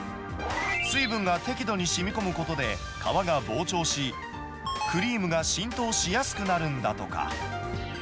水分が適度にしみこむことで、革が膨張し、クリームが浸透しやすくなるんだとか。